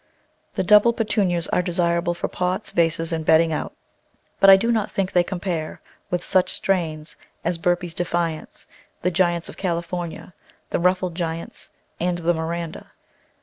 The double Petunias are desirable for pots, vases, and bedding out, but I do not think they compare with such strains as Burpee's Defiance, the Giants of California, the Ruffled Giants, and the Miranda.